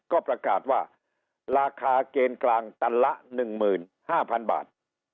ก็ประกาศว่าราคาเกณฑ์กลางตันละ๑๕๐๐๐บาท